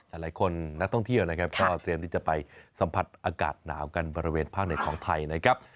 หลายคนนักท่องเที่ยวนะครับก็เตรียมที่จะไปสัมผัสอากาศหนาวกันบริเวณภาคเหนือของไทยนะครับ